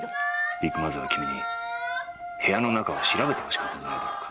ビッグマザーは君に部屋の中を調べてほしかったんじゃないだろうか？